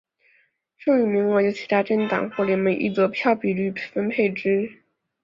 剩余名额由其他政党或联盟依得票比率分配之。